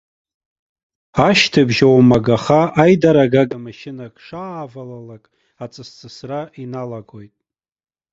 Ашьҭыбжь оумагаха, аидарагага машьынак шаавалалакь, аҵысҵысра иналагоит.